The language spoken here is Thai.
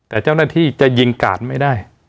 แต่เจ้าหน้าที่จะยิงกาดไม่ได้